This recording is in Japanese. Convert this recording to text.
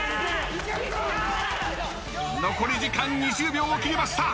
［残り時間２０秒を切りました］